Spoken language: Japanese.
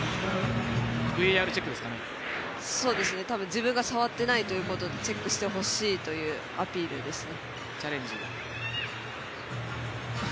自分が触っていないということでチェックしてほしいというアピールですね。